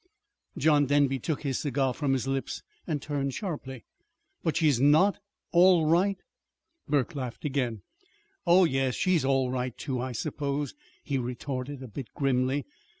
John Denby took his cigar from his lips and turned sharply. "But she's not all right?" Burke laughed again. "Oh, yes, she's all right, too, I suppose," he retorted, a bit grimly.